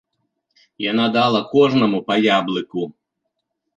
Яна дала кожнаму па яблыку.